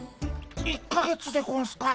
１か月でゴンスか？